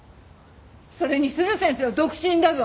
それに鈴先生は独身だぞ。